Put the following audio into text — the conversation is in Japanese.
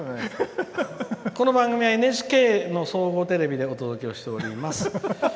この番組はＮＨＫの総合テレビでお届けをしております。